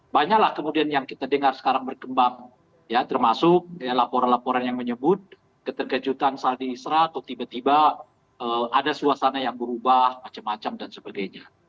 banyaklah kemudian yang kita dengar sekarang berkembang ya termasuk laporan laporan yang menyebut keterkejutan saldi isra atau tiba tiba ada suasana yang berubah macam macam dan sebagainya